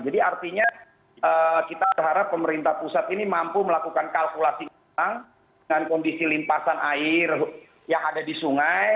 jadi artinya kita berharap pemerintah pusat ini mampu melakukan kalkulasi dengan kondisi limpasan air yang ada di sungai